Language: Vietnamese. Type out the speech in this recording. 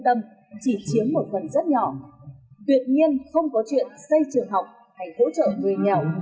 tâm chỉ chiếm một phần rất nhỏ tuyệt nhiên không có chuyện xây trường học hay hỗ trợ người nghèo